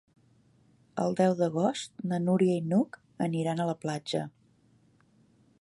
El deu d'agost na Núria i n'Hug aniran a la platja.